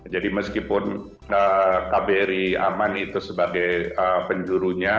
jadi meskipun kbri aman itu sebagai penjurunya